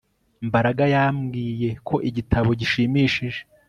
Mbaraga yambwiye ko igitabo gishimishije